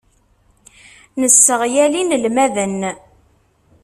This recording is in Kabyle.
Nesseɣyal inelmaden.